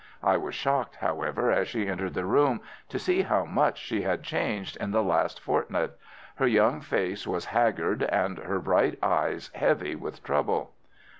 I was shocked, however, as she entered the room to see how much she had changed in the last fortnight. Her young face was haggard and her bright eyes heavy with trouble.